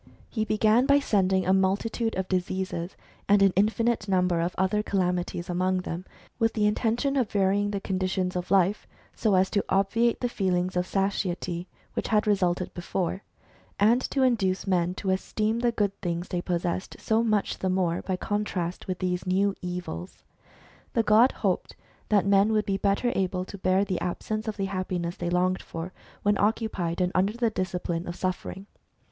He began by sending a multitude of diseases, and an infinite number of other calamities among them, with the intention of varying the conditions of life so as to obviate the feeling of satiety which had resulted before, and to induce men to esteem the good things they pos sessed so much the more by contrast with these new evils. The god hoped that men would be better able to bear the absence of the happiness they longed for, when occupied and under the discipline of suffering.